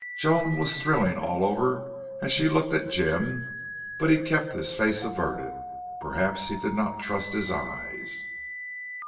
Joan was thrilling all over as she looked at Jim, but he kept his face averted. Perhaps he did not trust his eyes.